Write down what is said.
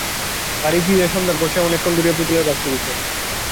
বাড়ি ফিরিয়া সন্ধ্যার পর সে অনেকক্ষণ ধরিয়া পুতুলের বাক্স গোছাইল।